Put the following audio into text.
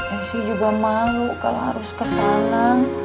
esi juga malu kalau harus ke sana